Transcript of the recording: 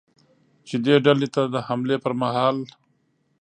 چې دې ډلې ته د حملې پرمهال ل